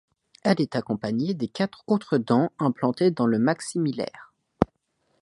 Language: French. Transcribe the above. Elle est accompagnée de quatre autres dents implantées dans le maxillaire.